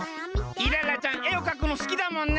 イララちゃん絵をかくのすきだもんね。